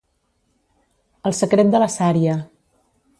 El secret de la sària.